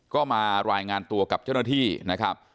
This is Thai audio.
ก็มารายงานตัวกับเจ้าหน้าที่นะครับ